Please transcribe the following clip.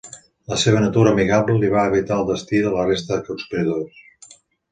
La seva natura amigable li va evitar el destí de la resta de conspiradors.